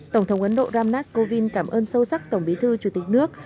tổng thống ấn độ ram nath kovind cảm ơn sâu sắc tổng bí thư chủ tịch nước